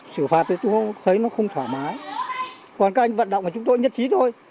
sử phạt thì chúng tôi thấy nó không thoải mái còn các anh vận động của chúng tôi nhất trí thôi